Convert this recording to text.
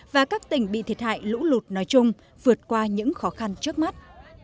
và các tỉnh bị thiệt hại lũ lụt nói chung vượt qua những khó khăn trước mắt